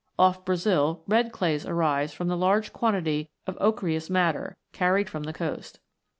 Off Brazil, red clays arise (45) from the large quantity of "ochreous matter" carried from the coast.